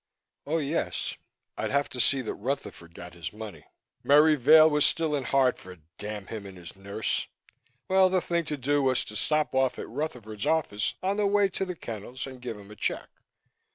Oh, yes, I'd have to see that Rutherford got his money. Merry Vail was still in Hartford, damn him and his nurse! Well, the thing to do was to stop off at Rutherford's office on the way to the kennels and give him a check.